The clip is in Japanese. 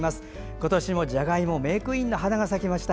今年もじゃがいも、メークインの花が咲きました。